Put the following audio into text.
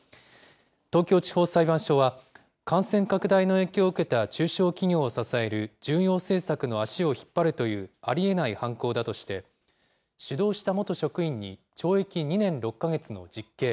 東京地方裁判所は、感染拡大の影響を受けた中小企業を支える重要政策の足を引っ張るという、ありえない犯行だとして、主導した元職員に懲役２年６か月の実刑。